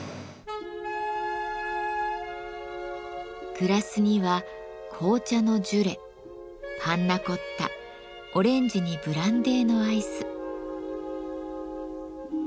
グラスには紅茶のジュレパンナコッタオレンジにブランデーのアイス。